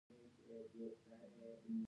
ګمارنه د کومو اصولو له مخې کیږي؟